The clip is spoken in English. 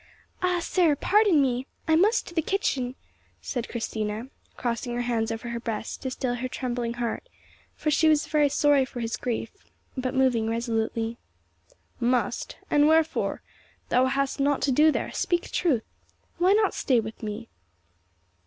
"Ah! sir; pardon me. I must to the kitchen," said Christina, crossing her hands over her breast, to still her trembling heart, for she was very sorry for his grief, but moving resolutely. "Must? And wherefore? Thou hast nought to do there; speak truth! Why not stay with me?"